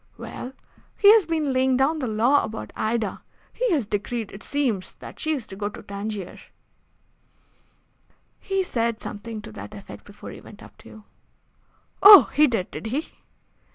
"Well, he has been laying down the law about Ida. He has decreed, it seems, that she is to go to Tangier." "He said something to that effect before he went up to you." "Oh, he did, did he?"